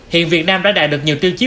hiện việt nam đã đạt được nhiều tiêu chí